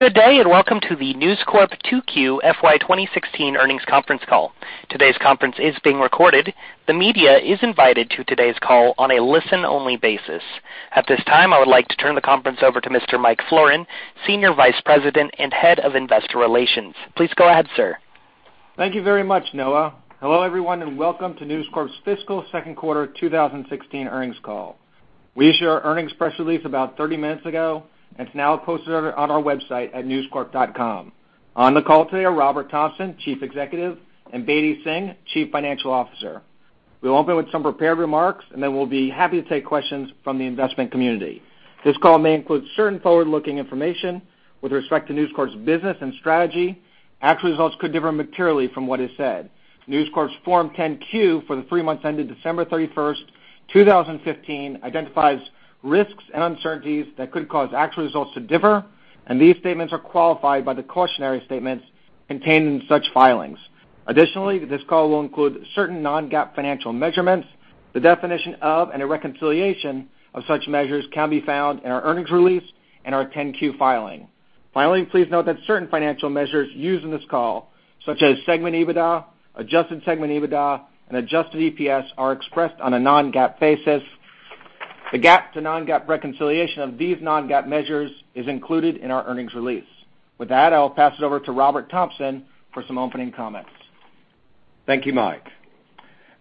Good day, welcome to the News Corp 2Q FY 2016 earnings conference call. Today's conference is being recorded. The media is invited to today's call on a listen-only basis. At this time, I would like to turn the conference over to Mr. Mike Florin, Senior Vice President and Head of Investor Relations. Please go ahead, sir. Thank you very much, Noah. Hello, everyone, welcome to News Corp's fiscal second quarter 2016 earnings call. We issued our earnings press release about 30 minutes ago, it's now posted on our website at newscorp.com. On the call today are Robert Thomson, Chief Executive, and Bedi Singh, Chief Financial Officer. We'll open with some prepared remarks, then we'll be happy to take questions from the investment community. This call may include certain forward-looking information with respect to News Corp's business and strategy. Actual results could differ materially from what is said. News Corp's Form 10-Q for the three months ending December 31st, 2015 identifies risks and uncertainties that could cause actual results to differ, these statements are qualified by the cautionary statements contained in such filings. Additionally, this call will include certain non-GAAP financial measurements. The definition of a reconciliation of such measures can be found in our earnings release and our 10-Q filing. Finally, please note that certain financial measures used in this call, such as segment EBITDA, adjusted segment EBITDA, and adjusted EPS, are expressed on a non-GAAP basis. The GAAP to non-GAAP reconciliation of these non-GAAP measures is included in our earnings release. With that, I'll pass it over to Robert Thomson for some opening comments. Thank you, Mike.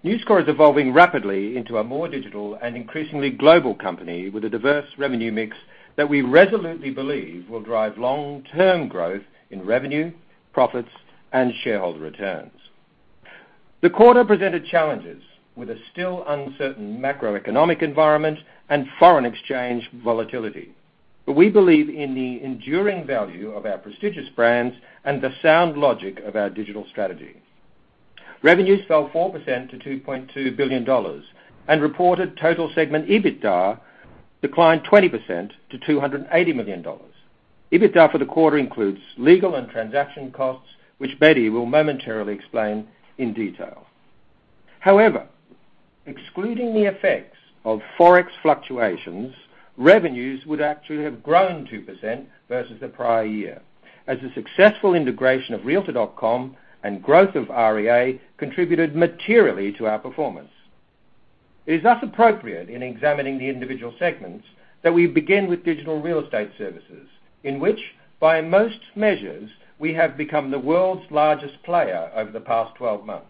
News Corp is evolving rapidly into a more digital and increasingly global company with a diverse revenue mix that we resolutely believe will drive long-term growth in revenue, profits, and shareholder returns. The quarter presented challenges with a still uncertain macroeconomic environment and foreign exchange volatility. We believe in the enduring value of our prestigious brands and the sound logic of our digital strategy. Revenues fell 4% to $2.2 billion, reported total segment EBITDA declined 20% to $280 million. EBITDA for the quarter includes legal and transaction costs, which Bedi will momentarily explain in detail. However, excluding the effects of Forex fluctuations, revenues would actually have grown 2% versus the prior year, as the successful integration of realtor.com and growth of REA contributed materially to our performance. It is thus appropriate in examining the individual segments that we begin with digital real estate services, in which, by most measures, we have become the world's largest player over the past 12 months.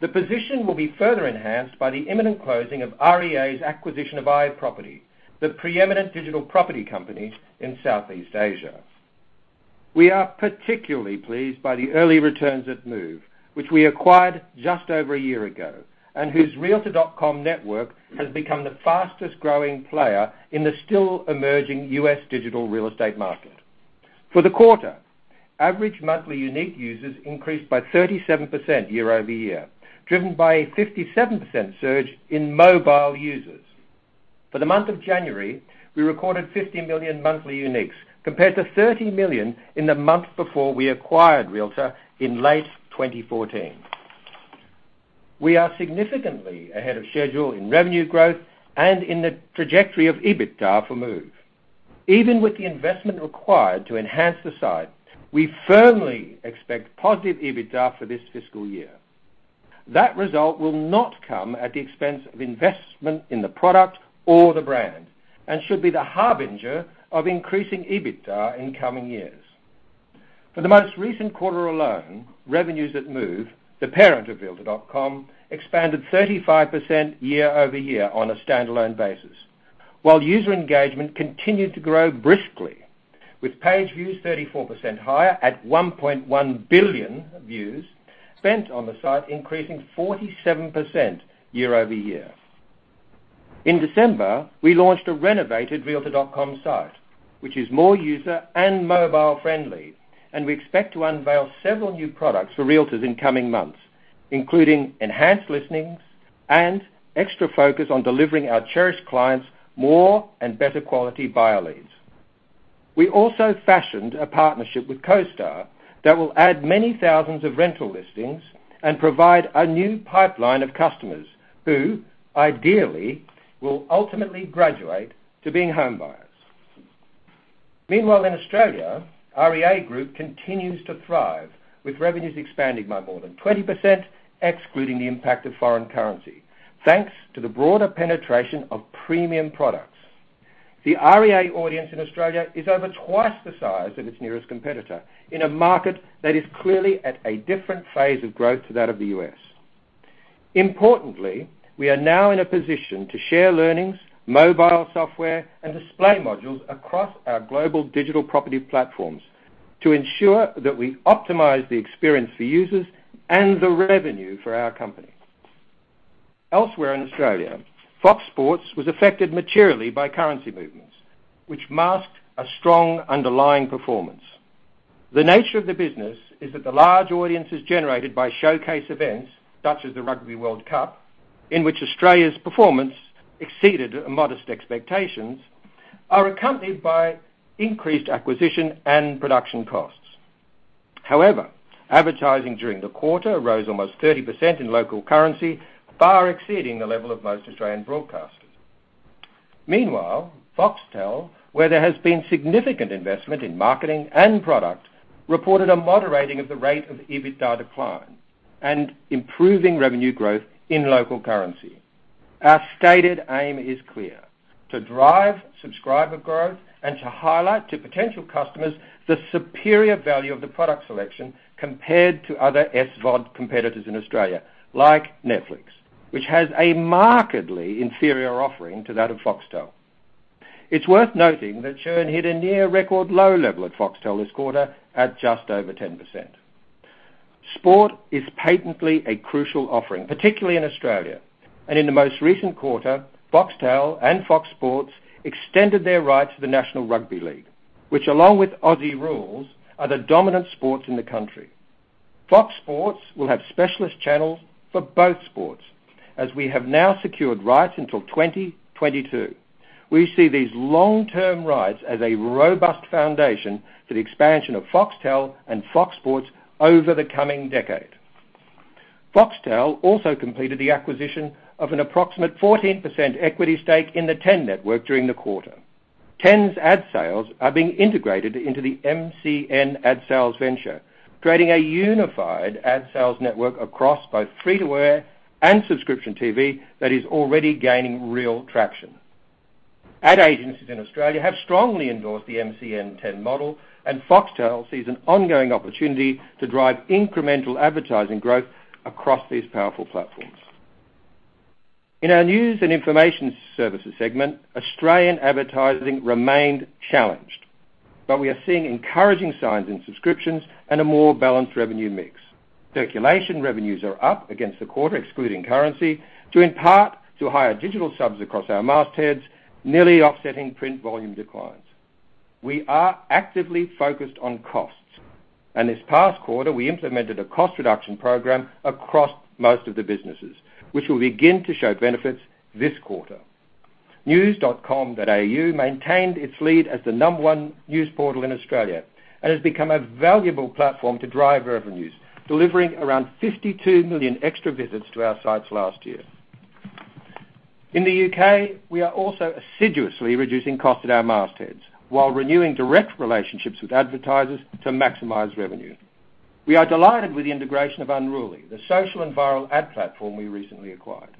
The position will be further enhanced by the imminent closing of REA's acquisition of iProperty, the preeminent digital property company in Southeast Asia. We are particularly pleased by the early returns at Move, which we acquired just over a year ago, and whose realtor.com network has become the fastest-growing player in the still emerging U.S. digital real estate market. For the quarter, average monthly unique users increased by 37% year-over-year, driven by a 57% surge in mobile users. For the month of January, we recorded 50 million monthly uniques, compared to 30 million in the month before we acquired Realtor in late 2014. We are significantly ahead of schedule in revenue growth and in the trajectory of EBITDA for Move. Even with the investment required to enhance the site, we firmly expect positive EBITDA for this fiscal year. That result will not come at the expense of investment in the product or the brand and should be the harbinger of increasing EBITDA in coming years. For the most recent quarter alone, revenues at Move, the parent of realtor.com, expanded 35% year-over-year on a standalone basis, while user engagement continued to grow briskly, with page views 34% higher at 1.1 billion views spent on the site increasing 47% year-over-year. In December, we launched a renovated realtor.com site, which is more user and mobile-friendly, and we expect to unveil several new products for realtors in coming months, including enhanced listings and extra focus on delivering our cherished clients more and better quality buyer leads. We also fashioned a partnership with CoStar that will add many thousands of rental listings and provide a new pipeline of customers who, ideally, will ultimately graduate to being home buyers. Meanwhile, in Australia, REA Group continues to thrive, with revenues expanding by more than 20%, excluding the impact of foreign currency, thanks to the broader penetration of premium products. The REA audience in Australia is over twice the size of its nearest competitor in a market that is clearly at a different phase of growth to that of the U.S. Importantly, we are now in a position to share learnings, mobile software, and display modules across our global digital property platforms to ensure that we optimize the experience for users and the revenue for our company. Elsewhere in Australia, Fox Sports was affected materially by currency movements, which masked a strong underlying performance. The nature of the business is that the large audiences generated by showcase events such as the Rugby World Cup, in which Australia's performance exceeded modest expectations, are accompanied by increased acquisition and production costs. However, advertising during the quarter rose almost 30% in local currency, far exceeding the level of most Australian broadcasters. Meanwhile, Foxtel, where there has been significant investment in marketing and product, reported a moderating of the rate of EBITDA decline and improving revenue growth in local currency. Our stated aim is clear: to drive subscriber growth and to highlight to potential customers the superior value of the product selection compared to other SVOD competitors in Australia, like Netflix, which has a markedly inferior offering to that of Foxtel. It's worth noting that churn hit a near record low level at Foxtel this quarter at just over 10%. Sport is patently a crucial offering, particularly in Australia. In the most recent quarter, Foxtel and Fox Sports extended their rights to the National Rugby League, which along with Aussie Rules, are the dominant sports in the country. Fox Sports will have specialist channels for both sports, as we have now secured rights until 2022. We see these long-term rights as a robust foundation for the expansion of Foxtel and Fox Sports over the coming decade. Foxtel also completed the acquisition of an approximate 14% equity stake in the Network Ten during the quarter. Network Ten's ad sales are being integrated into the MCN ad sales venture, creating a unified ad sales network across both free to air and subscription TV that is already gaining real traction. Ad agencies in Australia have strongly endorsed the MCN Ten model, and Foxtel sees an ongoing opportunity to drive incremental advertising growth across these powerful platforms. In our news and information services segment, Australian advertising remained challenged, but we are seeing encouraging signs in subscriptions and a more balanced revenue mix. Circulation revenues are up against the quarter excluding currency, due in part to higher digital subs across our mastheads, nearly offsetting print volume declines. We are actively focused on costs, and this past quarter, we implemented a cost reduction program across most of the businesses, which will begin to show benefits this quarter. News.com.au maintained its lead as the number one news portal in Australia, and has become a valuable platform to drive revenues, delivering around 52 million extra visits to our sites last year. In the U.K., we are also assiduously reducing cost at our mastheads while renewing direct relationships with advertisers to maximize revenue. We are delighted with the integration of Unruly, the social and viral ad platform we recently acquired.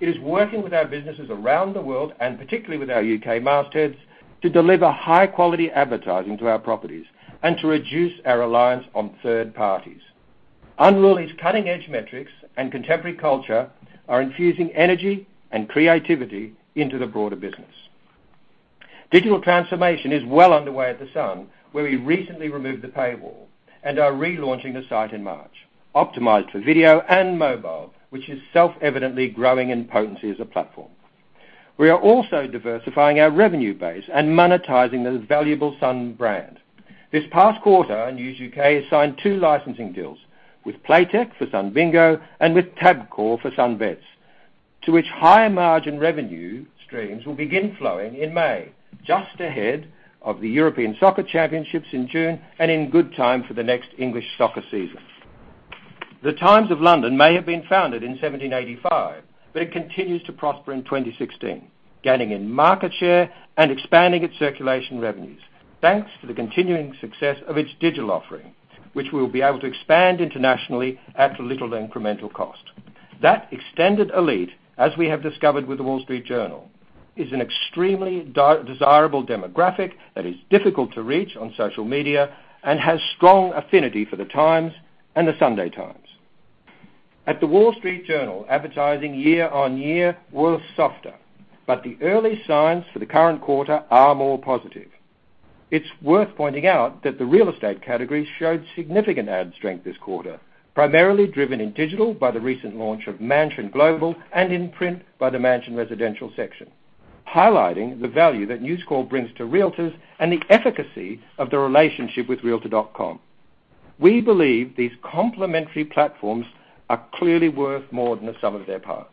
It is working with our businesses around the world, and particularly with our U.K. mastheads, to deliver high-quality advertising to our properties and to reduce our reliance on third parties. Unruly's cutting-edge metrics and contemporary culture are infusing energy and creativity into the broader business. Digital transformation is well underway at The Sun, where we recently removed the paywall and are relaunching the site in March, optimized for video and mobile, which is self-evidently growing in potency as a platform. We are also diversifying our revenue base and monetizing the valuable Sun brand. This past quarter, News U.K. has signed two licensing deals, with Playtech for Sun Bingo and with Tabcorp for Sun Bets, to which higher margin revenue streams will begin flowing in May, just ahead of the European Soccer Championships in June and in good time for the next English soccer season. The Times of London may have been founded in 1785, but it continues to prosper in 2016, gaining in market share and expanding its circulation revenues, thanks to the continuing success of its digital offering, which we'll be able to expand internationally at little incremental cost. That extended elite, as we have discovered with The Wall Street Journal, is an extremely desirable demographic that is difficult to reach on social media and has strong affinity for The Times and The Sunday Times. At The Wall Street Journal, advertising year-on-year was softer, the early signs for the current quarter are more positive. It's worth pointing out that the real estate category showed significant ad strength this quarter, primarily driven in digital by the recent launch of Mansion Global and in print by the Mansion Residential section, highlighting the value that News Corp brings to realtors and the efficacy of the relationship with realtor.com. We believe these complementary platforms are clearly worth more than the sum of their parts.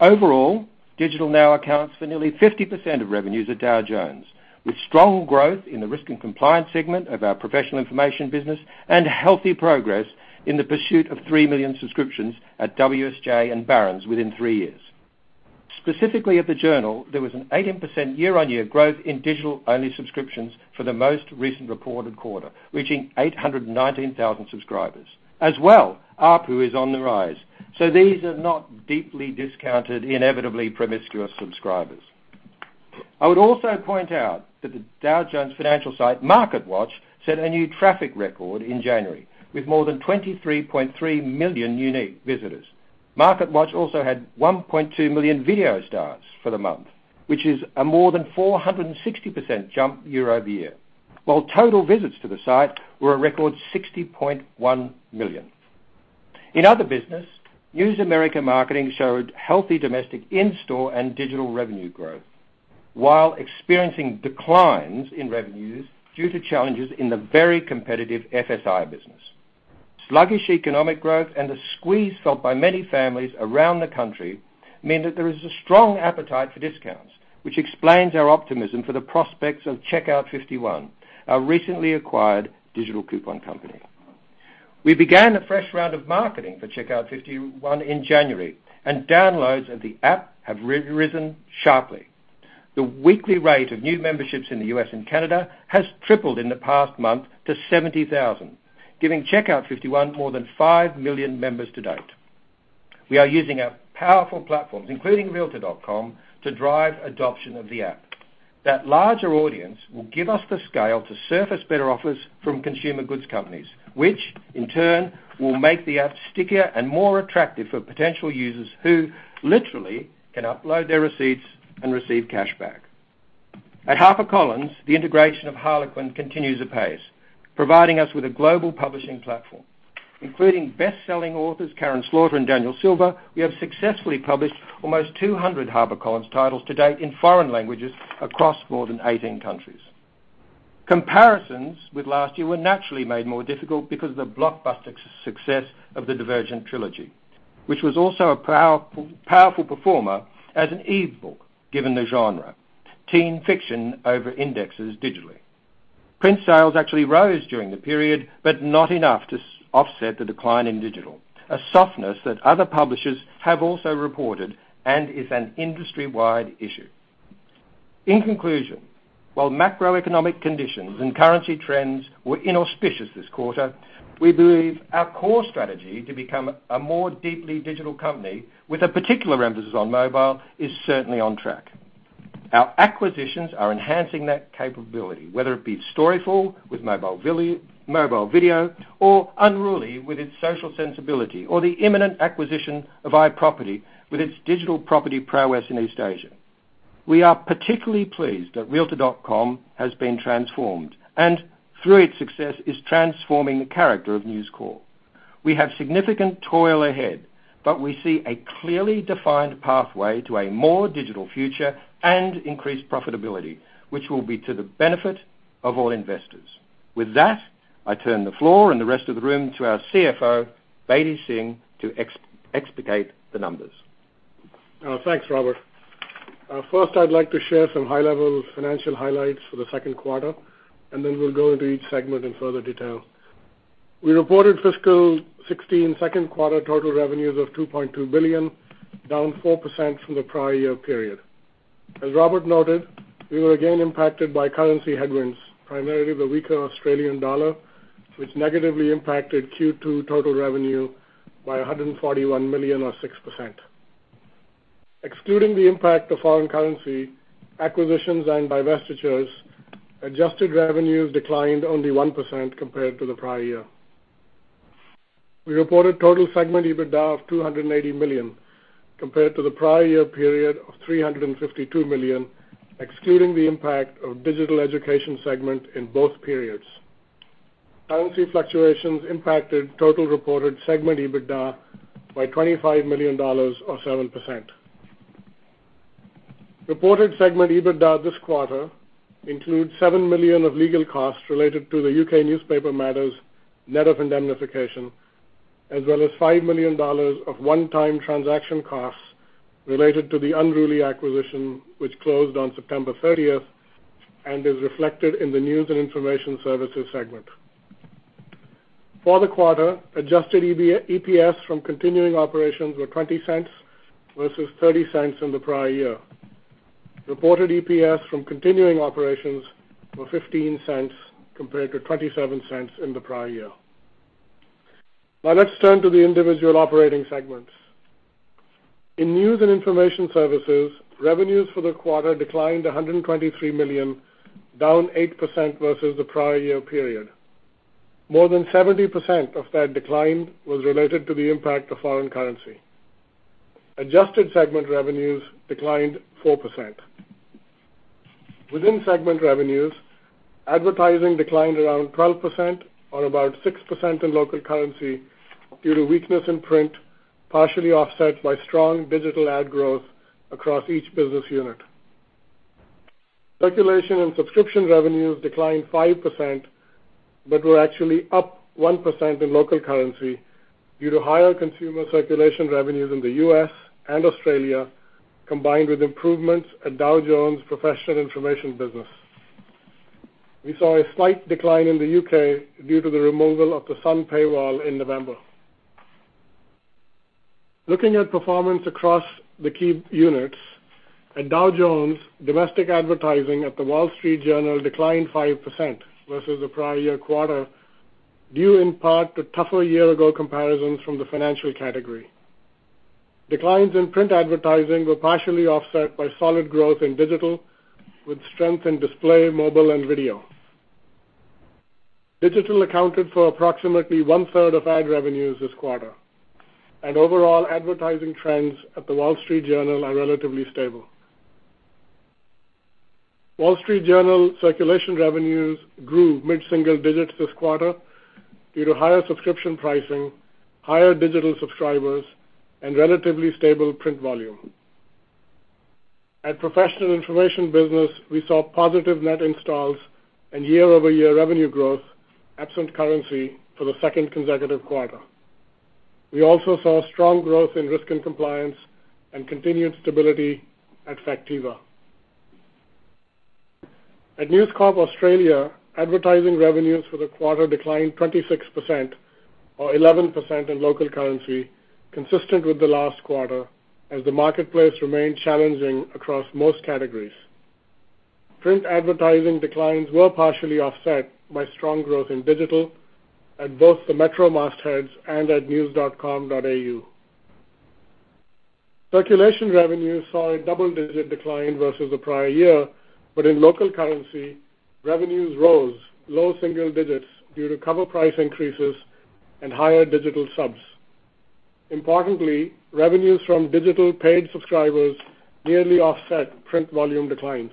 Overall, digital now accounts for nearly 50% of revenues at Dow Jones, with strong growth in the risk and compliance segment of our professional information business and healthy progress in the pursuit of 3 million subscriptions at WSJ and Barron's within 3 years. Specifically at The Journal, there was an 18% year-on-year growth in digital-only subscriptions for the most recent reported quarter, reaching 819,000 subscribers. As well, ARPU is on the rise. These are not deeply discounted, inevitably promiscuous subscribers. I would also point out that the Dow Jones Financial site, MarketWatch, set a new traffic record in January, with more than 23.3 million unique visitors. MarketWatch also had 1.2 million video starts for the month, which is a more than 460% jump year-over-year, while total visits to the site were a record 60.1 million. In other business, News America Marketing showed healthy domestic in-store and digital revenue growth while experiencing declines in revenues due to challenges in the very competitive FSI business. Sluggish economic growth and the squeeze felt by many families around the country mean that there is a strong appetite for discounts, which explains our optimism for the prospects of Checkout 51, our recently acquired digital coupon company. We began a fresh round of marketing for Checkout 51 in January, downloads of the app have risen sharply. The weekly rate of new memberships in the U.S. and Canada has tripled in the past month to 70,000, giving Checkout 51 more than 5 million members to date. We are using our powerful platforms, including realtor.com, to drive adoption of the app. That larger audience will give us the scale to surface better offers from consumer goods companies, which in turn will make the app stickier and more attractive for potential users who literally can upload their receipts and receive cashback. At HarperCollins, the integration of Harlequin continues apace, providing us with a global publishing platform. Including best-selling authors Karin Slaughter and Daniel Silva, we have successfully published almost 200 HarperCollins titles to date in foreign languages across more than 18 countries. Comparisons with last year were naturally made more difficult because of the blockbuster success of the Divergent trilogy, which was also a powerful performer as an e-book, given the genre. Teen fiction over-indexes digitally. Print sales actually rose during the period, not enough to offset the decline in digital, a softness that other publishers have also reported and is an industry-wide issue. In conclusion, while macroeconomic conditions and currency trends were inauspicious this quarter, we believe our core strategy to become a more deeply digital company with a particular emphasis on mobile is certainly on track. Our acquisitions are enhancing that capability, whether it be Storyful with mobile video or Unruly with its social sensibility, or the imminent acquisition of iProperty with its digital property prowess in Southeast Asia. We are particularly pleased that realtor.com has been transformed, and through its success is transforming the character of News Corp. We have significant toil ahead, but we see a clearly defined pathway to a more digital future and increased profitability, which will be to the benefit of all investors. With that, I turn the floor and the rest of the room to our CFO, Bedi Singh, to explicate the numbers. Thanks, Robert. First, I'd like to share some high-level financial highlights for the second quarter, and then we'll go into each segment in further detail. We reported fiscal 2016 second quarter total revenues of $2.2 billion, down 4% from the prior year period. As Robert noted, we were again impacted by currency headwinds, primarily the weaker Australian dollar, which negatively impacted Q2 total revenue by 141 million or 6%. Excluding the impact of foreign currency, acquisitions, and divestitures, adjusted revenues declined only 1% compared to the prior year. We reported total segment EBITDA of $280 million, compared to the prior year period of $352 million, excluding the impact of digital education segment in both periods. Currency fluctuations impacted total reported segment EBITDA by $25 million or 7%. Reported segment EBITDA this quarter includes $7 million of legal costs related to the U.K. newspaper matters net of indemnification, as well as $5 million of one-time transaction costs related to the Unruly acquisition, which closed on September 30th and is reflected in the News and Information Services segment. For the quarter, adjusted EPS from continuing operations were $0.20 versus $0.30 in the prior year. Reported EPS from continuing operations were $0.15 compared to $0.27 in the prior year. Let's turn to the individual operating segments. In News and Information Services, revenues for the quarter declined $123 million, down 8% versus the prior year period. More than 70% of that decline was related to the impact of foreign currency. Adjusted segment revenues declined 4%. Within segment revenues, advertising declined around 12% or about 6% in local currency due to weakness in print, partially offset by strong digital ad growth across each business unit. Circulation and subscription revenues declined 5% but were actually up 1% in local currency due to higher consumer circulation revenues in the U.S. and Australia, combined with improvements at Dow Jones Professional Information business. We saw a slight decline in the U.K. due to the removal of The Sun paywall in November. Looking at performance across the key units, at Dow Jones, domestic advertising at The Wall Street Journal declined 5% versus the prior year quarter due in part to tougher year-ago comparisons from the financial category. Declines in print advertising were partially offset by solid growth in digital, with strength in display, mobile, and video. Digital accounted for approximately one-third of ad revenues this quarter, and overall advertising trends at The Wall Street Journal are relatively stable. The Wall Street Journal circulation revenues grew mid-single digits this quarter due to higher subscription pricing, higher digital subscribers, and relatively stable print volume. At Professional Information business, we saw positive net installs and year-over-year revenue growth absent currency for the second consecutive quarter. We also saw strong growth in risk and compliance and continued stability at Factiva. At News Corp Australia, advertising revenues for the quarter declined 26%, or 11% in local currency, consistent with the last quarter, as the marketplace remained challenging across most categories. Print advertising declines were partially offset by strong growth in digital at both the Metro mastheads and at news.com.au. Circulation revenues saw a double-digit decline versus the prior year, in local currency, revenues rose low single digits due to cover price increases and higher digital subs. Importantly, revenues from digital paid subscribers nearly offset print volume declines.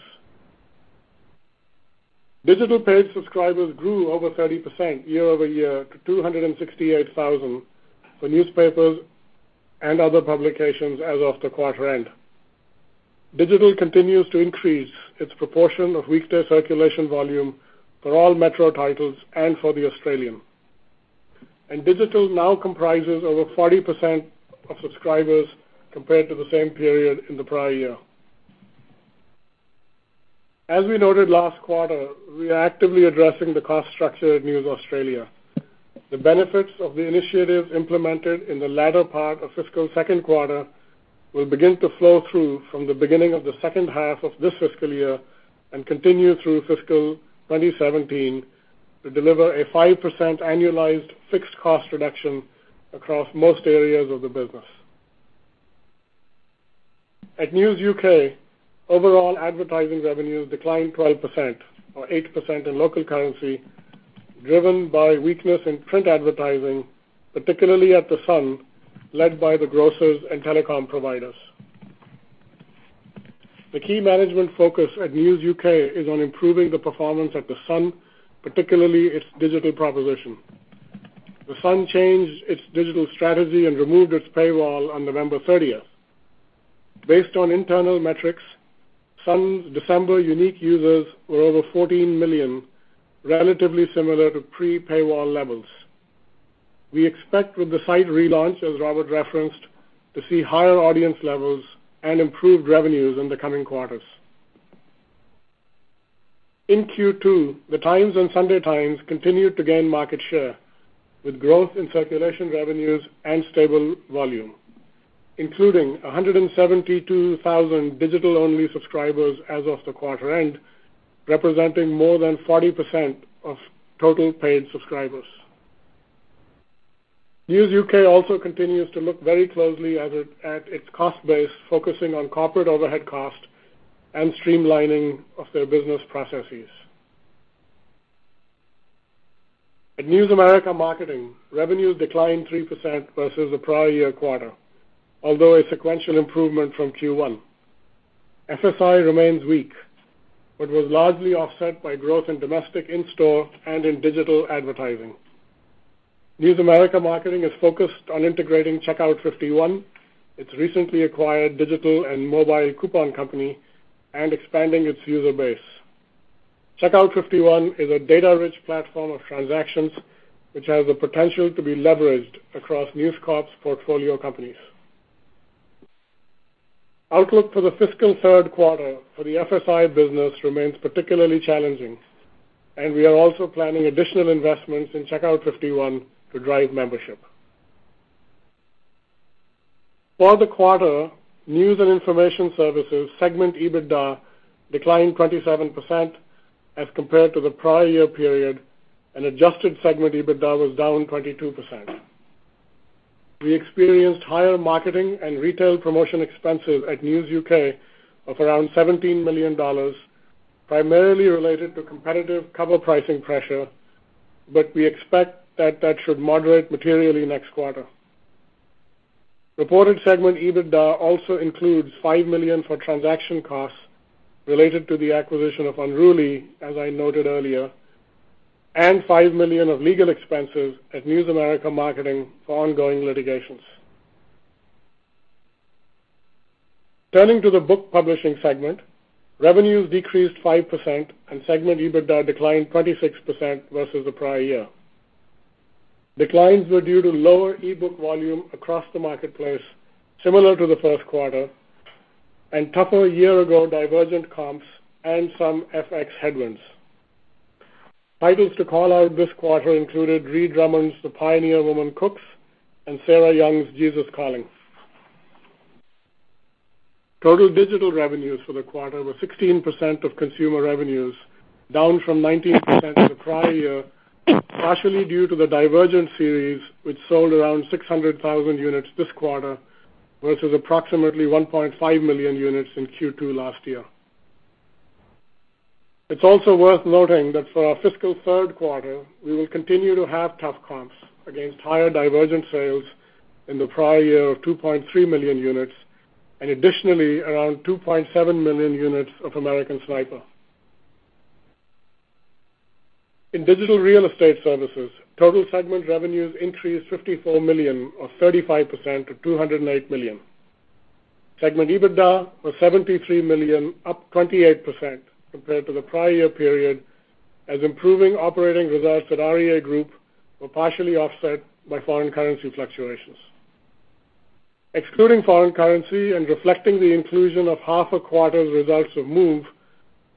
Digital paid subscribers grew over 30% year-over-year to 268,000 for newspapers and other publications as of the quarter end. Digital continues to increase its proportion of weekday circulation volume for all metro titles and for The Australian. Digital now comprises over 40% of subscribers compared to the same period in the prior year. As we noted last quarter, we are actively addressing the cost structure at News Corp Australia. The benefits of the initiatives implemented in the latter part of fiscal second quarter will begin to flow through from the beginning of the second half of this fiscal year and continue through fiscal 2017 to deliver a 5% annualized fixed cost reduction across most areas of the business. At News UK, overall advertising revenues declined 12%, or 8% in local currency, driven by weakness in print advertising, particularly at The Sun, led by the grocers and telecom providers. The key management focus at News UK is on improving the performance at The Sun, particularly its digital proposition. The Sun changed its digital strategy and removed its paywall on November 30th. Based on internal metrics, Sun's December unique users were over 14 million, relatively similar to pre-paywall levels. We expect with the site relaunch, as Robert referenced, to see higher audience levels and improved revenues in the coming quarters. In Q2, The Times and The Sunday Times continued to gain market share with growth in circulation revenues and stable volume, including 172,000 digital-only subscribers as of the quarter end, representing more than 40% of total paid subscribers. News UK also continues to look very closely at its cost base, focusing on corporate overhead cost and streamlining of their business processes. At News America Marketing, revenues declined 3% versus the prior year quarter, although a sequential improvement from Q1. FSI remains weak, was largely offset by growth in domestic in-store and in digital advertising. News America Marketing is focused on integrating Checkout 51, its recently acquired digital and mobile coupon company, and expanding its user base. Checkout 51 is a data-rich platform of transactions, which has the potential to be leveraged across News Corp's portfolio companies. Outlook for the fiscal third quarter for the FSI business remains particularly challenging. We are also planning additional investments in Checkout 51 to drive membership. For the quarter, News and Information Services segment EBITDA declined 27% as compared to the prior year period, and adjusted segment EBITDA was down 22%. We experienced higher marketing and retail promotion expenses at News UK of around $17 million, primarily related to competitive cover pricing pressure. We expect that that should moderate materially next quarter. Reported segment EBITDA also includes $5 million for transaction costs related to the acquisition of Unruly, as I noted earlier, and $5 million of legal expenses at News America Marketing for ongoing litigations. Turning to the Book Publishing segment, revenues decreased 5%, and segment EBITDA declined 26% versus the prior year. Declines were due to lower e-book volume across the marketplace, similar to the first quarter, and tougher year ago "Divergent" comps and some FX headwinds. Titles to call out this quarter included Ree Drummond's "The Pioneer Woman Cooks" and Sarah Young's "Jesus Calling". Total digital revenues for the quarter were 16% of consumer revenues, down from 19% the prior year, partially due to the "Divergent" series, which sold around 600,000 units this quarter versus approximately 1.5 million units in Q2 last year. It's also worth noting that for our fiscal third quarter, we will continue to have tough comps against higher "Divergent" sales in the prior year of 2.3 million units and additionally around 2.7 million units of "American Sniper". In digital real estate services, total segment revenues increased $54 million, or 35%, to $208 million. Segment EBITDA was $73 million, up 28% compared to the prior year period, as improving operating results at REA Group were partially offset by foreign currency fluctuations. Excluding foreign currency and reflecting the inclusion of half a quarter's results of Move,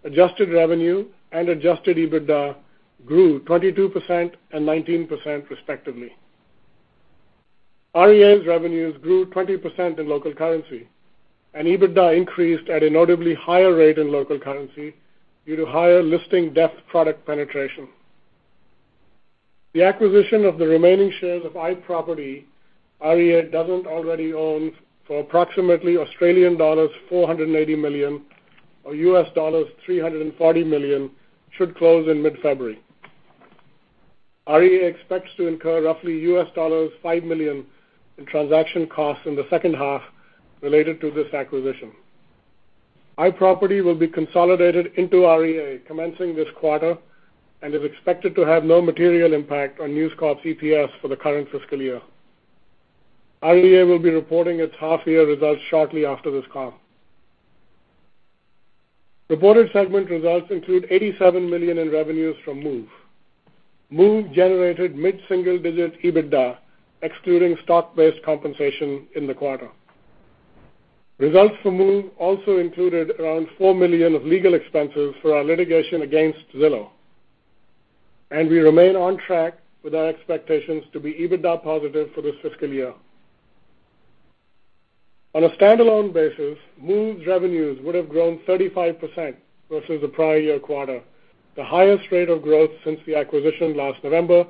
adjusted revenue and adjusted EBITDA grew 22% and 19%, respectively. REA's revenues grew 20% in local currency, and EBITDA increased at a notably higher rate in local currency due to higher listing depth product penetration. The acquisition of the remaining shares of iProperty REA doesn't already own for approximately Australian dollars 480 million, or $340 million, should close in mid-February. REA expects to incur roughly $5 million in transaction costs in the second half related to this acquisition. iProperty will be consolidated into REA commencing this quarter and is expected to have no material impact on News Corp's EPS for the current fiscal year. REA will be reporting its half-year results shortly after this call. Reported segment results include $87 million in revenues from Move. Move generated mid-single digit EBITDA, excluding stock-based compensation in the quarter. Results from Move also included around $4 million of legal expenses for our litigation against Zillow. We remain on track with our expectations to be EBITDA positive for this fiscal year. On a standalone basis, Move's revenues would have grown 35% versus the prior year quarter, the highest rate of growth since the acquisition last November,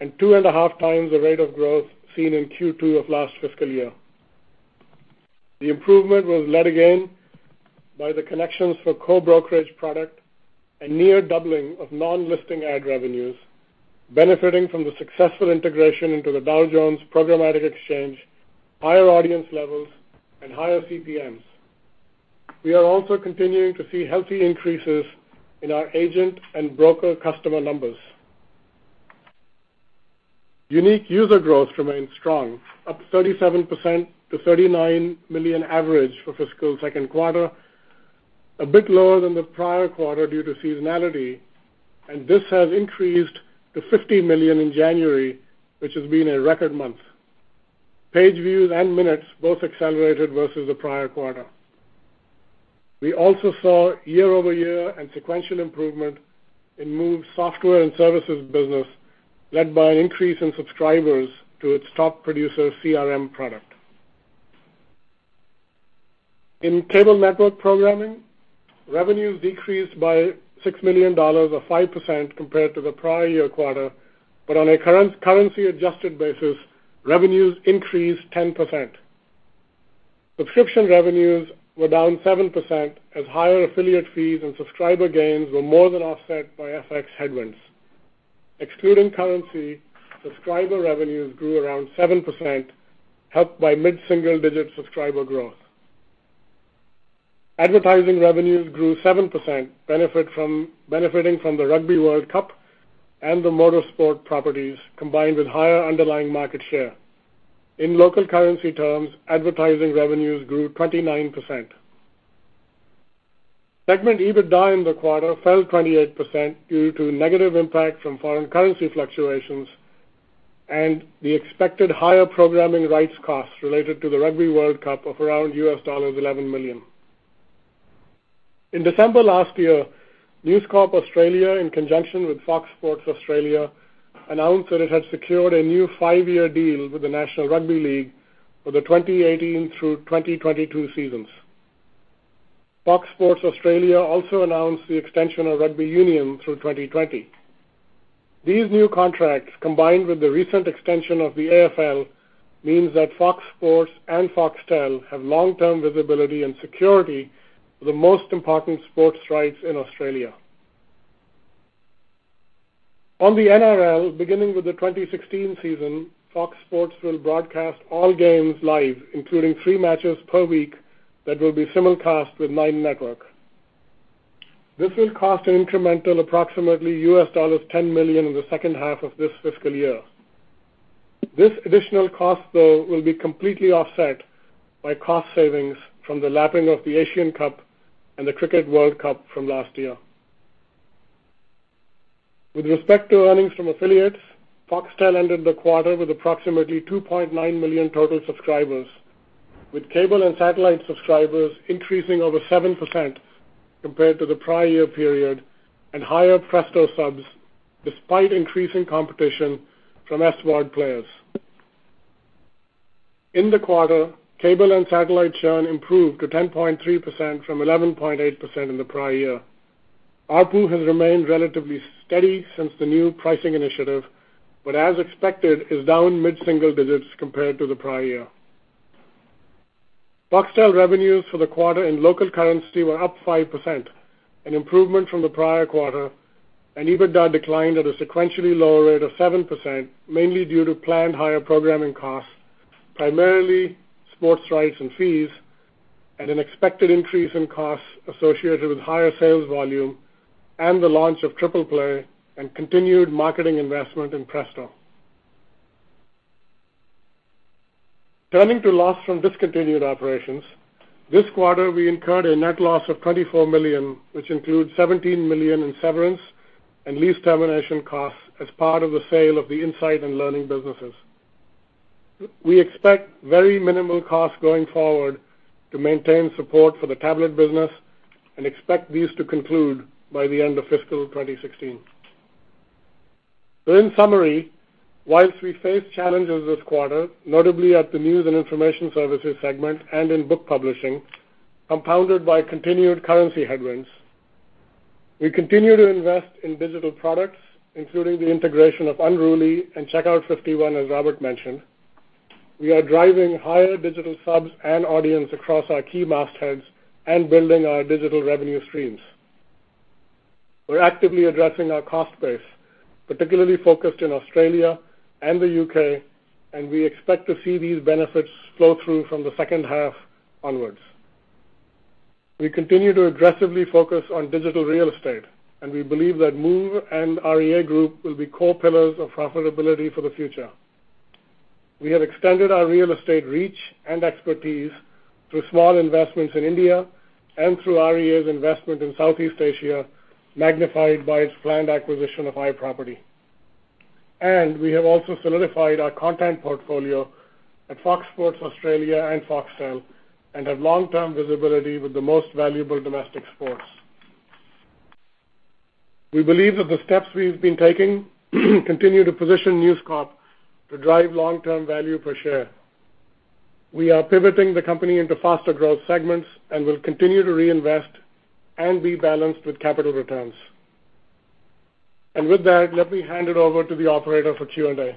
and two and a half times the rate of growth seen in Q2 of last fiscal year. The improvement was led again by the connections for co-brokerage product and near doubling of non-listing ad revenues, benefiting from the successful integration into the Dow Jones Programmatic Exchange, higher audience levels, and higher CPMs. We are also continuing to see healthy increases in our agent and broker customer numbers. Unique user growth remained strong, up 37% to 39 million average for fiscal second quarter, a bit lower than the prior quarter due to seasonality, and this has increased to 50 million in January, which has been a record month. Page views and minutes both accelerated versus the prior quarter. We also saw year-over-year and sequential improvement in Move's software and services business, led by an increase in subscribers to its Top Producer CRM product. In cable network programming, revenues decreased by $6 million or 5% compared to the prior year quarter. On a currency-adjusted basis, revenues increased 10%. Subscription revenues were down 7% as higher affiliate fees and subscriber gains were more than offset by FX headwinds. Excluding currency, subscriber revenues grew around 7%, helped by mid-single digit subscriber growth. Advertising revenues grew 7%, benefiting from the Rugby World Cup and the motorsport properties combined with higher underlying market share. In local currency terms, advertising revenues grew 29%. Segment EBITDA in the quarter fell 28% due to negative impact from foreign currency fluctuations and the expected higher programming rights costs related to the Rugby World Cup of around $11 million. In December last year, News Corp Australia, in conjunction with Fox Sports Australia, announced that it had secured a new five-year deal with the National Rugby League for the 2018 through 2022 seasons. Fox Sports Australia also announced the extension of Rugby Union through 2020. These new contracts, combined with the recent extension of the AFL, means that Fox Sports and Foxtel have long-term visibility and security for the most important sports rights in Australia. On the NRL, beginning with the 2016 season, Fox Sports will broadcast all games live, including three matches per week that will be simulcast with Nine Network. This will cost an incremental approximately $10 million in the second half of this fiscal year. This additional cost, though, will be completely offset by cost savings from the lapping of the Asian Cup and the Cricket World Cup from last year. With respect to earnings from affiliates, Foxtel ended the quarter with approximately 2.9 million total subscribers, with cable and satellite subscribers increasing over 7% compared to the prior year period and higher Presto subs despite increasing competition from SVOD players. In the quarter, cable and satellite churn improved to 10.3% from 11.8% in the prior year. ARPU has remained relatively steady since the new pricing initiative, but as expected, is down mid-single digits compared to the prior year. Foxtel revenues for the quarter in local currency were up 5%, an improvement from the prior quarter, and EBITDA declined at a sequentially lower rate of 7%, mainly due to planned higher programming costs, primarily sports rights and fees. An expected increase in costs associated with higher sales volume and the launch of Triple Play and continued marketing investment in Presto. Turning to loss from discontinued operations. This quarter, we incurred a net loss of $24 million, which includes $17 million in severance and lease termination costs as part of the sale of the insight and learning businesses. We expect very minimal costs going forward to maintain support for the tablet business and expect these to conclude by the end of fiscal 2016. In summary, whilst we face challenges this quarter, notably at the News and Information Services segment and in book publishing, compounded by continued currency headwinds, we continue to invest in digital products, including the integration of Unruly and Checkout 51, as Robert mentioned. We are driving higher digital subs and audience across our key mastheads and building our digital revenue streams. We're actively addressing our cost base, particularly focused in Australia and the U.K., and we expect to see these benefits flow through from the second half onwards. We continue to aggressively focus on digital real estate, and we believe that Move and REA Group will be core pillars of profitability for the future. We have extended our real estate reach and expertise through small investments in India and through REA's investment in Southeast Asia, magnified by its planned acquisition of iProperty. We have also solidified our content portfolio at Fox Sports Australia and Foxtel and have long-term visibility with the most valuable domestic sports. We believe that the steps we've been taking continue to position News Corp to drive long-term value per share. We are pivoting the company into faster growth segments and will continue to reinvest and rebalance with capital returns. With that, let me hand it over to the operator for Q&A.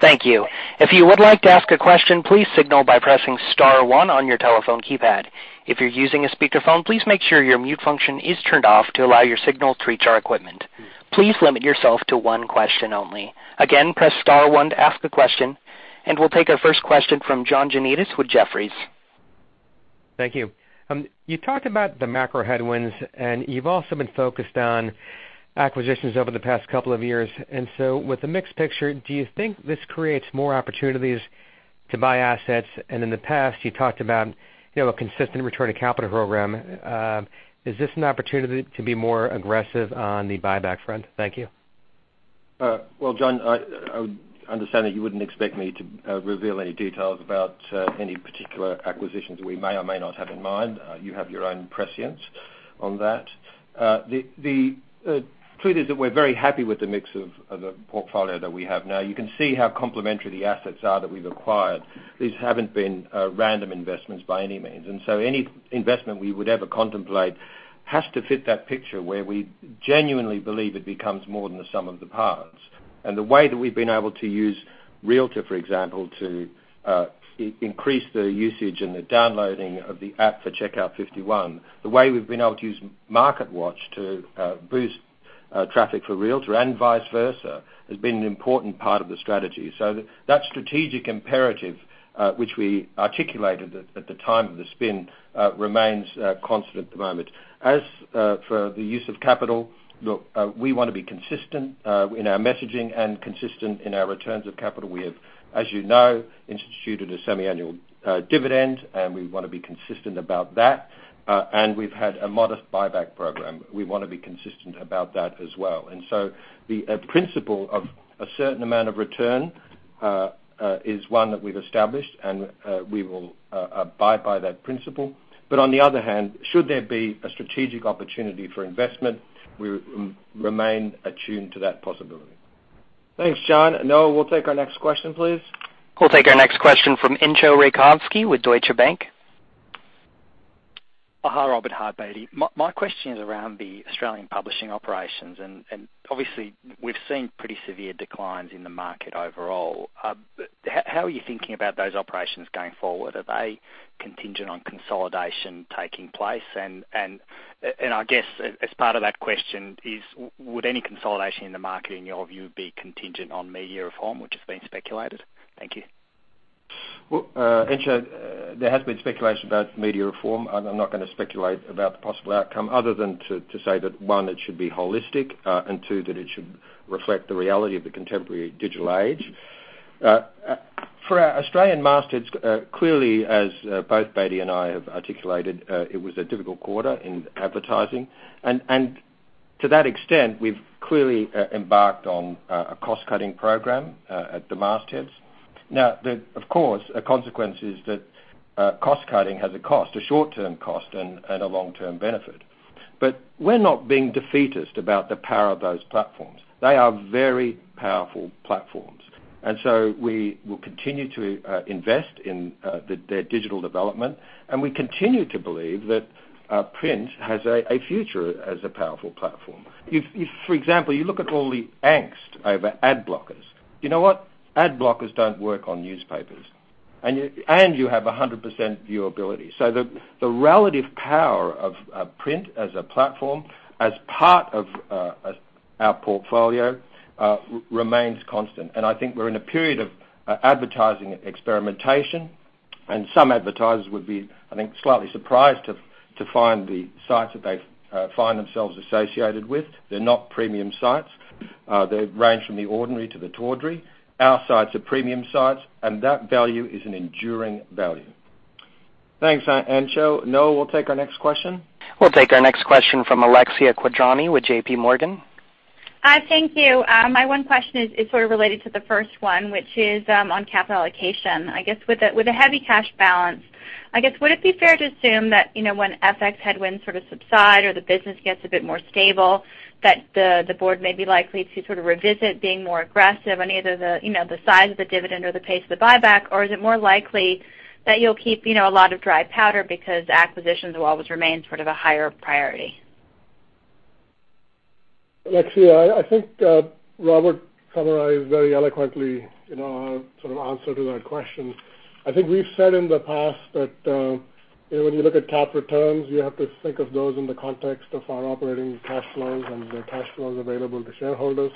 Thank you. If you would like to ask a question, please signal by pressing star one on your telephone keypad. If you're using a speakerphone, please make sure your mute function is turned off to allow your signal to reach our equipment. Please limit yourself to one question only. Again, press star one to ask a question, and we'll take our first question from John Janedis with Jefferies. Thank you. You talked about the macro headwinds, you've also been focused on acquisitions over the past couple of years. With the mixed picture, do you think this creates more opportunities to buy assets? In the past, you talked about a consistent return to capital program. Is this an opportunity to be more aggressive on the buyback front? Thank you. Well, John, I would understand that you wouldn't expect me to reveal any details about any particular acquisitions we may or may not have in mind. You have your own prescience on that. The truth is that we're very happy with the mix of the portfolio that we have now. You can see how complementary the assets are that we've acquired. These haven't been random investments by any means. So any investment we would ever contemplate has to fit that picture where we genuinely believe it becomes more than the sum of the parts. The way that we've been able to use Realtor, for example, to increase the usage and the downloading of the app for Checkout 51, the way we've been able to use MarketWatch to boost traffic for Realtor and vice versa, has been an important part of the strategy. That strategic imperative, which we articulated at the time of the spin, remains constant at the moment. As for the use of capital, look, we want to be consistent in our messaging and consistent in our returns of capital. We have, as you know, instituted a semi-annual dividend, and we want to be consistent about that. We've had a modest buyback program. We want to be consistent about that as well. The principle of a certain amount of return is one that we've established, and we will abide by that principle. On the other hand, should there be a strategic opportunity for investment, we remain attuned to that possibility. Thanks, John. Noah, we'll take our next question, please. We'll take our next question from Entcho Raykovski with Deutsche Bank. Hi, Robert. Hi, Bedi. My question is around the Australian publishing operations. Obviously, we've seen pretty severe declines in the market overall. How are you thinking about those operations going forward? Are they contingent on consolidation taking place? I guess as part of that question is, would any consolidation in the market, in your view, be contingent on media reform, which has been speculated? Thank you. Well, Entcho, there has been speculation about media reform. I'm not going to speculate about the possible outcome other than to say that, one, it should be holistic, and two, that it should reflect the reality of the contemporary digital age. For our Australian mastheads, clearly as both Bedi and I have articulated, it was a difficult quarter in advertising. To that extent, we've clearly embarked on a cost-cutting program at the mastheads. Now, of course, a consequence is that cost cutting has a cost, a short-term cost, and a long-term benefit. We're not being defeatist about the power of those platforms. They are very powerful platforms. So we will continue to invest in their digital development, and we continue to believe that print has a future as a powerful platform. If, for example, you look at all the angst over ad blockers. You know what? Ad blockers don't work on newspapers. You have 100% viewability. The relative power of print as a platform, as part of our portfolio remains constant. I think we're in a period of advertising experimentation, and some advertisers would be, I think, slightly surprised to find the sites that they find themselves associated with. They're not premium sites. They range from the ordinary to the tawdry. Our sites are premium sites, and that value is an enduring value. Thanks, Entcho. Noah, we'll take our next question. We'll take our next question from Alexia Quadrani with J.P. Morgan. Hi, thank you. My one question is sort of related to the first one, which is on capital allocation. I guess with a heavy cash balance, would it be fair to assume that when FX headwinds sort of subside or the business gets a bit more stable, that the board may be likely to sort of revisit being more aggressive on either the size of the dividend or the pace of the buyback? Is it more likely that you'll keep a lot of dry powder because acquisitions will always remain sort of a higher priority? Alexia, I think Robert summarized very eloquently sort of answer to that question. I think we've said in the past that when you look at cap returns, you have to think of those in the context of our operating cash flows and the cash flows available to shareholders.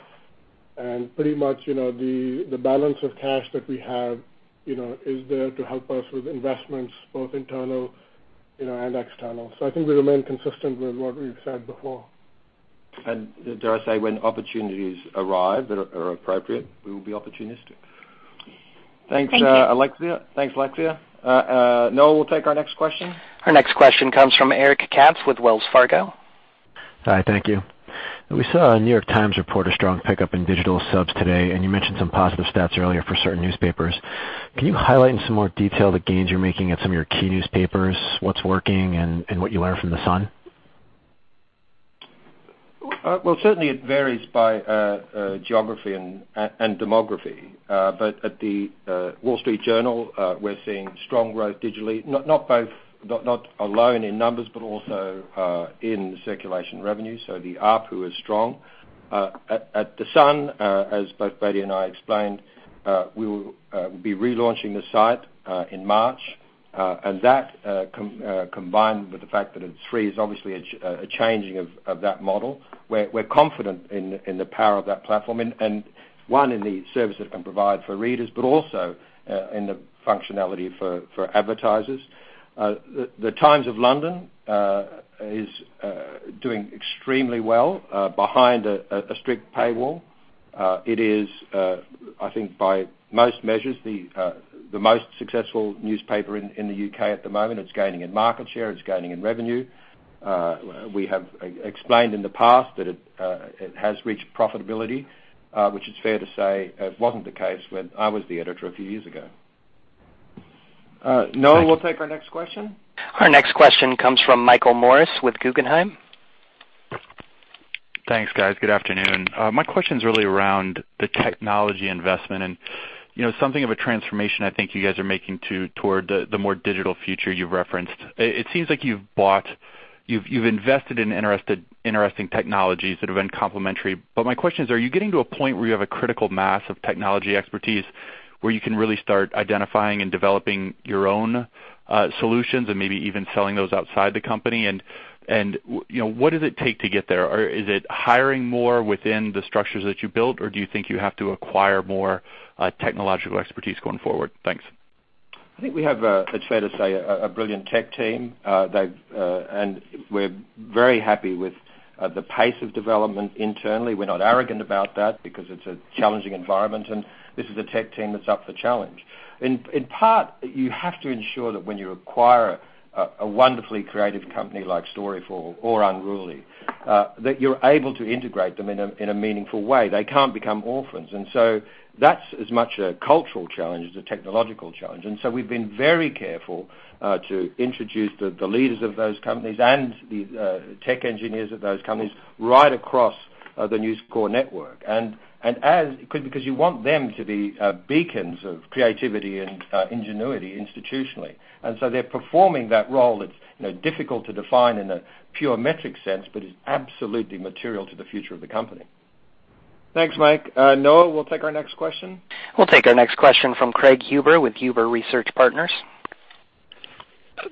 Pretty much, the balance of cash that we have is there to help us with investments, both internal and external. I think we remain consistent with what we've said before. Dare I say, when opportunities arrive that are appropriate, we will be opportunistic. Thank you. Thanks, Alexia. Noah, we'll take our next question. Our next question comes from Eric Katz with Wells Fargo. Hi, thank you. We saw a New York Times report a strong pickup in digital subs today. You mentioned some positive stats earlier for certain newspapers. Can you highlight in some more detail the gains you're making at some of your key newspapers, what's working and what you learn from The Sun? Certainly it varies by geography and demography. At The Wall Street Journal, we're seeing strong growth digitally, not alone in numbers, but also in circulation revenue. The ARPU is strong. At The Sun, as both Bedi and I explained, we will be relaunching the site in March. That, combined with the fact that it's free, is obviously a changing of that model. We're confident in the power of that platform, and one, in the service it can provide for readers, but also in the functionality for advertisers. The Times is doing extremely well behind a strict paywall. It is, I think by most measures, the most successful newspaper in the U.K. at the moment. It's gaining in market share. It's gaining in revenue. We have explained in the past that it has reached profitability, which is fair to say wasn't the case when I was the editor a few years ago. Noah, we'll take our next question. Our next question comes from Michael Morris with Guggenheim. Thanks, guys. Good afternoon. My question's really around the technology investment and something of a transformation I think you guys are making toward the more digital future you've referenced. It seems like you've invested in interesting technologies that have been complementary. My question is, are you getting to a point where you have a critical mass of technology expertise where you can really start identifying and developing your own solutions and maybe even selling those outside the company? What does it take to get there? Is it hiring more within the structures that you built, or do you think you have to acquire more technological expertise going forward? Thanks. I think we have, it's fair to say, a brilliant tech team. We're very happy with the pace of development internally. We're not arrogant about that because it's a challenging environment, and this is a tech team that's up for challenge. In part, you have to ensure that when you acquire a wonderfully creative company like Storyful or Unruly, that you're able to integrate them in a meaningful way. They can't become orphans. That's as much a cultural challenge as a technological challenge. We've been very careful to introduce the leaders of those companies and the tech engineers of those companies right across the News Corp network. Because you want them to be beacons of creativity and ingenuity institutionally. They're performing that role that's difficult to define in a pure metric sense, but is absolutely material to the future of the company. Thanks, Mike. Noah, we'll take our next question. We'll take our next question from Craig Huber with Huber Research Partners.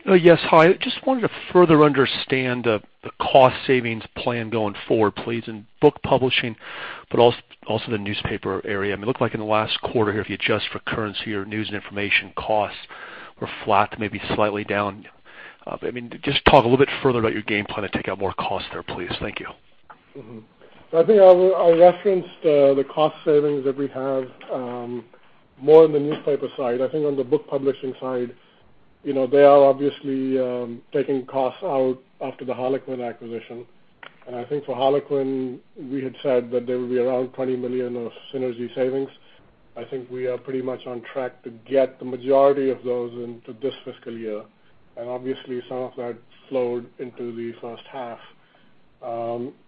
Yes. Hi. Just wanted to further understand the cost savings plan going forward, please, in book publishing, but also the newspaper area. It looked like in the last quarter here, if you adjust for currency or News and Information costs were flat, maybe slightly down. Just talk a little bit further about your game plan to take out more cost there, please. Thank you. I think I referenced the cost savings that we have more on the newspaper side. I think on the book publishing side, they are obviously taking costs out after the Harlequin acquisition. I think for Harlequin, we had said that there would be around $20 million of synergy savings. I think we are pretty much on track to get the majority of those into this fiscal year. Obviously, some of that flowed into the first half.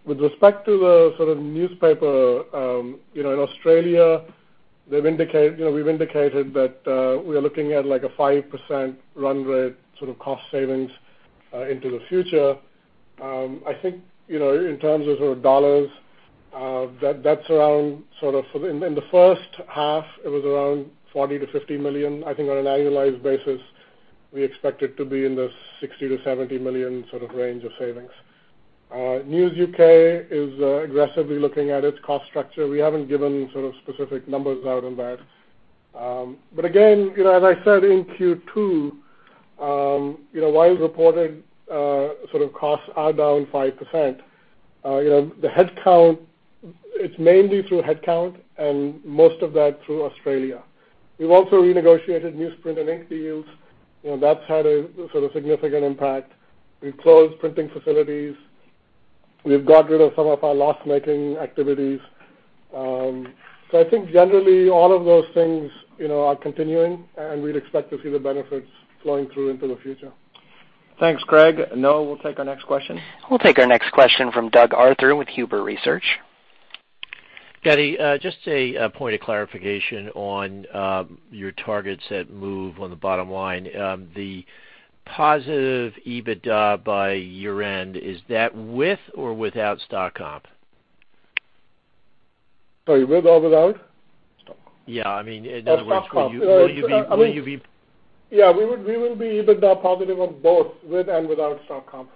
With respect to the sort of newspaper, in Australia, we've indicated that we are looking at like a 5% run rate sort of cost savings into the future. I think, in terms of sort of dollars, in the first half, it was around $40 million-$50 million, I think, on an annualized basis. We expect it to be in the $60 million-$70 million sort of range of savings. News UK is aggressively looking at its cost structure. We haven't given sort of specific numbers out on that. Again, as I said in Q2, while reported sort of costs are down 5%, the headcount, it's mainly through headcount and most of that through Australia. We've also renegotiated newsprint and ink deals. That's had a sort of significant impact. We've closed printing facilities. We've got rid of some of our loss-making activities. I think generally all of those things are continuing, and we'd expect to see the benefits flowing through into the future. Thanks, Craig. Noah, we'll take our next question. We'll take our next question from Doug Arthur with Huber Research. Bedi, just a point of clarification on your targets that move on the bottom line. The positive EBITDA by year-end, is that with or without stock comp? Sorry, with or without? Stock. Yeah, I mean, in other words- Oh, stock comp. Will you? Yeah. We will be EBITDA positive on both with and without stock comp.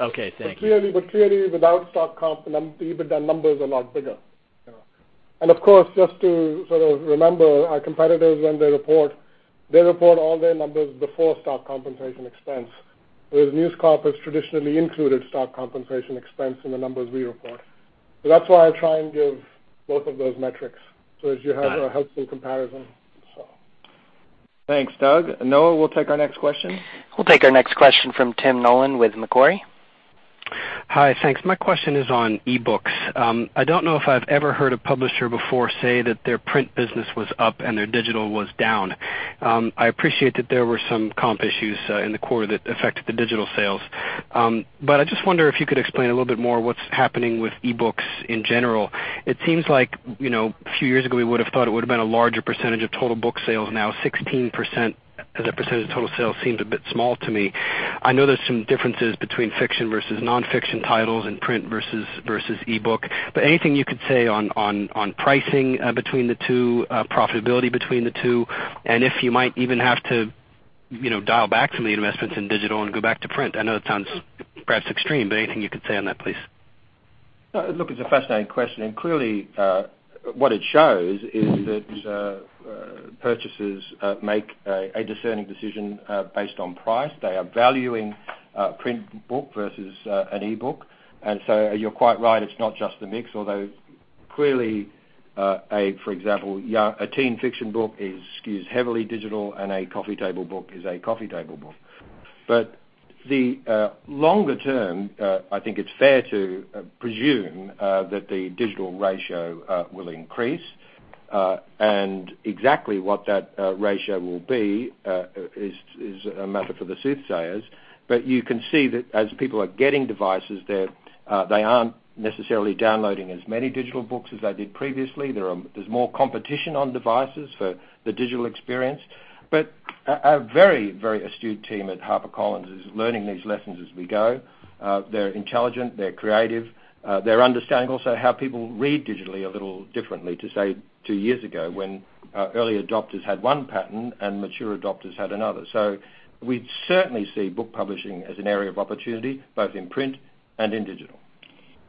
Okay, thank you. clearly without stock comp, the EBITDA numbers are lot bigger. Yeah. of course, just to sort of remember our competitors when they report, they report all their numbers before stock compensation expense. Whereas News Corp has traditionally included stock compensation expense in the numbers we report. That's why I try and give both of those metrics. Got it. a helpful comparison, so. Thanks, Doug. Noah, we'll take our next question. We'll take our next question from Tim Nollen with Macquarie. Hi, thanks. My question is on e-books. I don't know if I've ever heard a publisher before say that their print business was up and their digital was down. I appreciate that there were some comp issues in the quarter that affected the digital sales. I just wonder if you could explain a little bit more what's happening with e-books in general. It seems like a few years ago, we would've thought it would've been a larger percentage of total book sales. Now 16% as a percentage of total sales seems a bit small to me. I know there's some differences between fiction versus nonfiction titles and print versus e-book. Anything you could say on pricing between the two, profitability between the two, and if you might even have to dial back some of the investments in digital and go back to print. I know it sounds perhaps extreme, anything you could say on that, please? Look, it's a fascinating question. Clearly, what it shows is that purchasers make a discerning decision based on price. They are valuing a print book versus an e-book. You're quite right, it's not just the mix, although clearly, for example, a teen fiction book skews heavily digital and a coffee table book is a coffee table book. The longer term, I think it's fair to presume that the digital ratio will increase. Exactly what that ratio will be is a matter for the soothsayers. You can see that as people are getting devices, they aren't necessarily downloading as many digital books as they did previously. There's more competition on devices for the digital experience. A very, very astute team at HarperCollins is learning these lessons as we go. They're intelligent, they're creative, they're understanding also how people read digitally a little differently to, say, two years ago, when early adopters had one pattern and mature adopters had another. We'd certainly see book publishing as an area of opportunity, both in print and in digital.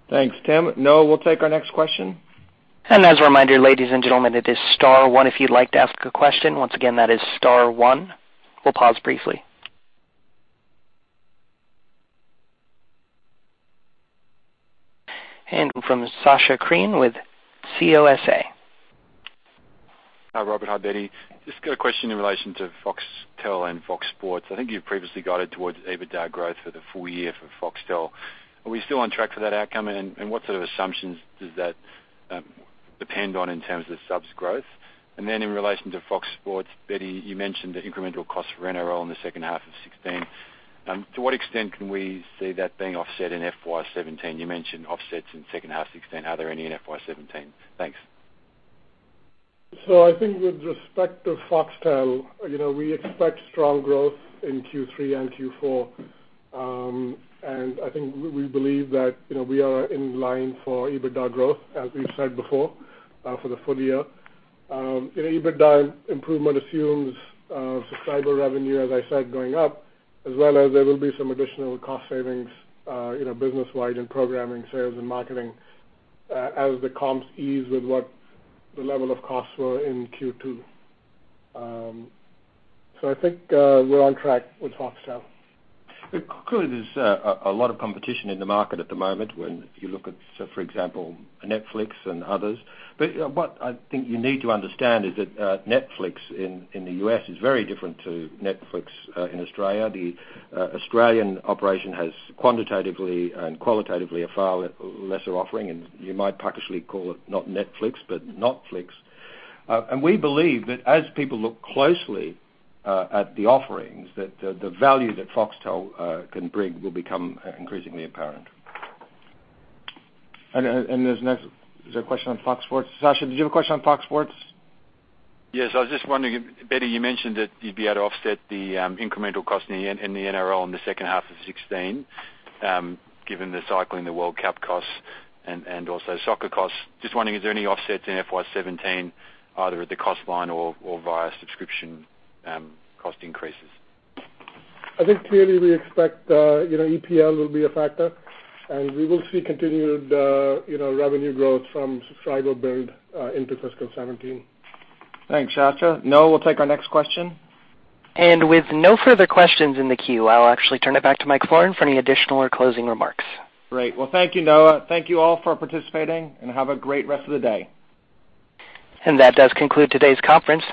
Thanks, Tim. Noah, we'll take our next question. As a reminder, ladies and gentlemen, it is star one if you'd like to ask a question. Once again, that is star one. We'll pause briefly. From Sasha Kriin with COSA. Hi, Robert. Hi, Bedi. I got a question in relation to Foxtel and Fox Sports. I think you've previously guided towards EBITDA growth for the full year for Foxtel. Are we still on track for that outcome, and what sort of assumptions does that depend on in terms of subs growth? In relation to Fox Sports, Bedi, you mentioned the incremental cost for NRL in the second half of 2016. To what extent can we see that being offset in FY 2017? You mentioned offsets in second half 2016. Are there any in FY 2017? Thanks. I think with respect to Foxtel, we expect strong growth in Q3 and Q4. I think we believe that we are in line for EBITDA growth, as we've said before, for the full year. EBITDA improvement assumes subscriber revenue, as I said, going up, as well as there will be some additional cost savings business-wide in programming, sales, and marketing as the comps ease with what the level of costs were in Q2. I think we're on track with Foxtel. Clearly, there's a lot of competition in the market at the moment when you look at, for example, Netflix and others. What I think you need to understand is that Netflix in the U.S. is very different to Netflix in Australia. The Australian operation has quantitatively and qualitatively a far lesser offering, and you might puckishly call it not Netflix, but Notflix. We believe that as people look closely at the offerings, that the value that Foxtel can bring will become increasingly apparent. There's a question on Fox Sports. Sasha, did you have a question on Fox Sports? Yes. I was just wondering, Bedi, you mentioned that you'd be able to offset the incremental cost in the NRL in the second half of 2016, given the cycle in the World Cup costs and also soccer costs. Just wondering, is there any offsets in FY 2017, either at the cost line or via subscription cost increases? I think clearly we expect EPL will be a factor, and we will see continued revenue growth from subscriber build into fiscal 2017. Thanks, Sasha. Noah, we'll take our next question. With no further questions in the queue, I'll actually turn it back to Michael Florin for any additional or closing remarks. Great. Well, thank you, Noah. Thank you all for participating. Have a great rest of the day. That does conclude today's conference.